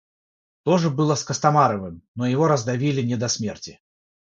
То же было с Костомаровым, но его раздавили не до смерти.